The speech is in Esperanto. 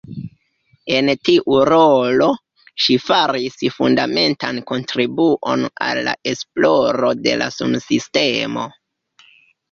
En tiu rolo, ŝi faris fundamentan kontribuon al la esploro de la sunsistemo.